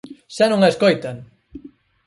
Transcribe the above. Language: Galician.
¡Xa non a escoitan!